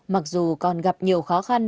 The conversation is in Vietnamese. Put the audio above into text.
mặc dù còn gặp nhiều khó khăn